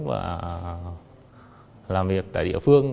và làm việc tại địa phương